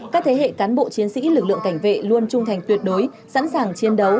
các thế hệ cán bộ chiến sĩ lực lượng cảnh vệ luôn trung thành tuyệt đối sẵn sàng chiến đấu